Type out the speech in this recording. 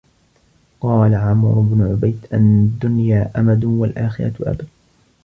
وَقَالَ عَمْرُو بْنُ عُبَيْدٍ الدُّنْيَا أَمَدٌ وَالْآخِرَةُ أَبَدٌ